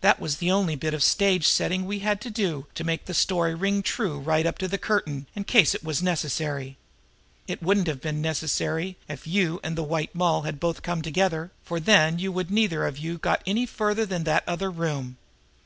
That was the only bit of stage setting we had to do to make the story ring true right up to the curtain, in case it was necessary. It wouldn't have been necessary if you and the White Moll had both come together, for then you would neither of you have got any further than that other room.